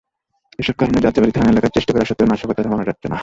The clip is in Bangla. এসব কারণে যাত্রাবাড়ী থানা এলাকায় চেষ্টা করা সত্ত্বেও নাশকতা থামানো যাচ্ছে না।